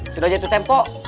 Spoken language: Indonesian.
sudah jatuh tempo